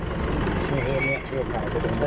อันนี้อันที่อยู่ข้างข้าง